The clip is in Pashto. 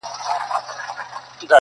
چي به ښكار د كوم يو سر خولې ته نژدې سو!